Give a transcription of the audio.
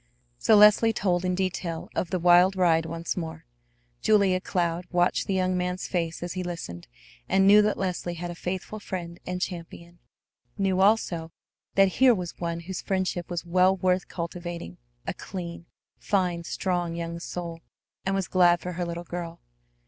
So Leslie told in detail of the wild ride once more. Julia Cloud watched the young man's face as he listened, and knew that Leslie had a faithful friend and champion, knew also that here was one whose friendship was well worth cultivating, a clean, fine, strong young soul, and was glad for her little girl.